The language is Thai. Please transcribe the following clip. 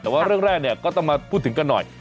แต่ว่าเรื่องแรกเนี่ยก็ต้องมาพูดถึงกันหน่อย